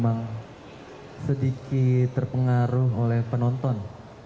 memang sedikit terpengaruh oleh penonton